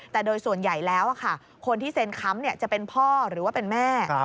แต่โดยส่วนใหญ่แล้วคนที่เซ็นค้ำจะเป็นพ่อหรือว่าเป็นแม่